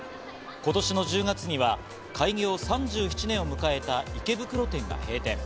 今年の１０月には開業３７年を迎えた池袋店が閉店。